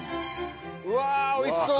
うわぁおいしそう！